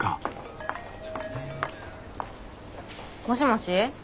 もしもし。